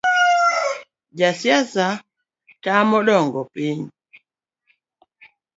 Josiasa temo dong’o piny